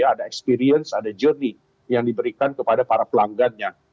ada experience ada journey yang diberikan kepada para pelanggannya